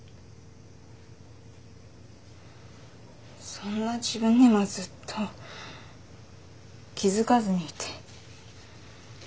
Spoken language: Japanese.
そんな自分にもずっと気付かずにいて。